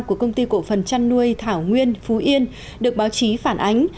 của công ty cổ phần chăn nuôi thảo nguyên phú yên được báo chí phản ánh